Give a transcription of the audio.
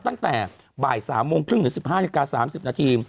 ตั้งแต่บ่าย๓โมงครึ่งหรือ๑๕นาที๓๐นาที